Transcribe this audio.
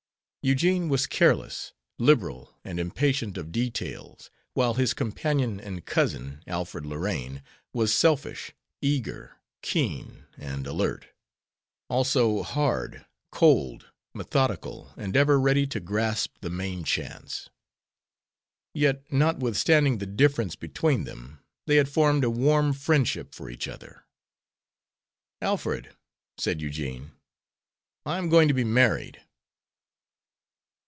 Eugene was careless, liberal, and impatient of details, while his companion and cousin, Alfred Lorraine, was selfish, eager, keen, and alert; also hard, cold, methodical, and ever ready to grasp the main chance. Yet, notwithstanding the difference between them, they had formed a warm friendship for each other. "Alfred," said Eugene, "I am going to be married."